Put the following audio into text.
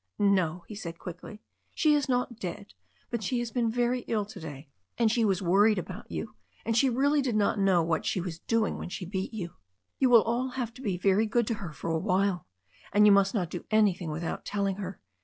"No," he said quickly, "she is not dead, but she has been VQry ill to day, and she was worried about you, and she really did not know what she was doing when she beat you. We will all have to be very good to her for a while, and you must not do an)rthing without telling her.